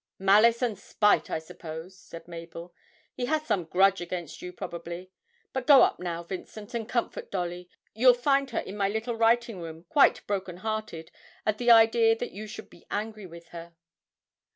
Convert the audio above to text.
'Malice and spite, I suppose,' said Mabel. 'He has some grudge against you, probably; but go up now, Vincent, and comfort Dolly you'll find her in my little writing room, quite broken hearted at the idea that you should be angry with her.'